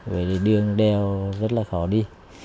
về đi đường đèo rất là khó đi